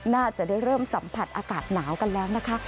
น่าจะได้เริ่มสัมผัสอากาศหนาวกันแล้วนะคะ